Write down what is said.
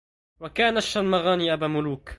وكان الشلمغان أبا ملوك